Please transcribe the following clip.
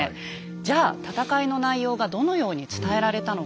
じゃあ戦いの内容がどのように伝えられたのか。